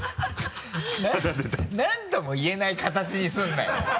何とも言えない形にするなよ。